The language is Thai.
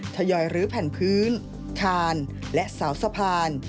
ทยอยรื้อแผ่นพื้นคานและเสาสะพาน